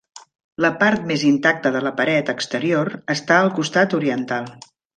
La part més intacta de la paret exterior està al costat oriental.